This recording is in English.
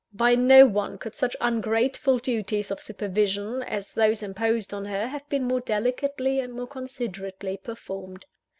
By no one could such ungrateful duties of supervision as those imposed on her, have been more delicately and more considerately performed.